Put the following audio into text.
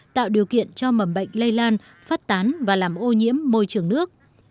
tạo điều kiện cho mầm bệnh lây lan phát tán và làm ô nhiễm môi trường nước